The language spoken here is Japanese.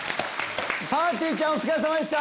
ぱーてぃーちゃんお疲れさまでした。